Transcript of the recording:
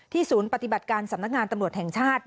ศูนย์ปฏิบัติการสำนักงานตำรวจแห่งชาติ